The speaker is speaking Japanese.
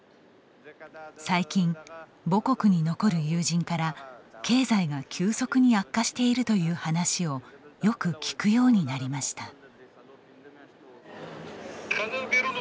最近、母国に残る友人から経済が急速に悪化しているという話をよく聞くようになりました。